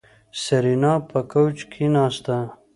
سېرېنا په کوچ کېناسته.